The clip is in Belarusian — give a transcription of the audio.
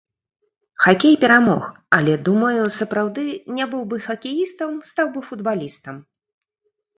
Хакей перамог, але думаю, сапраўды, не быў бы хакеістам, стаў бы футбалістам.